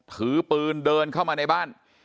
ถือปืนเดินเข้ามาในบ้าน